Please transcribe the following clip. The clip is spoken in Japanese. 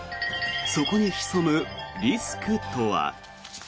そこに潜むリスクとは。